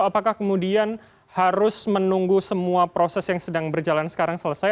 apakah kemudian harus menunggu semua proses yang sedang berjalan sekarang selesai